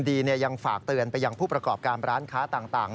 ยังฝากเตือนไปยังผู้ประกอบการร้านค้าต่าง